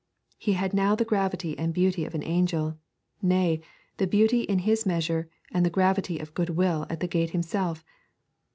He had now the gravity and beauty of an angel; nay, the beauty in his measure and the gravity of Goodwill at the gate himself.